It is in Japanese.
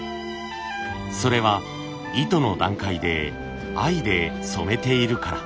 それは糸の段階で藍で染めているから。